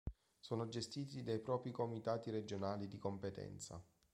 Sono gestiti dai propri Comitati Regionali di competenza.